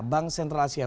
bank central asia